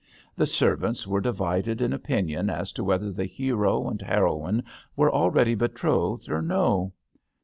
The servants were divided in opinion as to whether the hero and heroine were already betrothed or no.